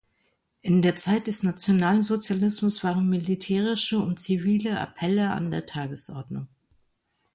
In der Zeit des Nationalsozialismus waren militärische und zivile Appelle an der Tagesordnung.